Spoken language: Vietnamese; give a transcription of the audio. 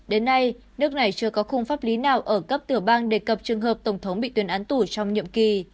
đến nay nước này chưa có khung pháp lý nào ở cấp tiểu bang đề cập trường hợp tổng thống bị tuyên án tù trong nhiệm kỳ